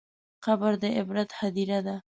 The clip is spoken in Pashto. قبر د عبرت هدیره ده.